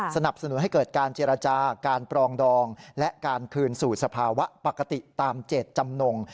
สนับสนุนให้เกิดการเจรจาการปรองดองและการคืนสู่สภาวะปกติตามเจตจำนง